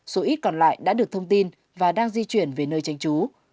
số ít còn lại đã được thông tin và đang di chuyển về nơi tránh trú